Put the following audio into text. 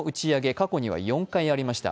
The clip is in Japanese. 過去には４回ありました。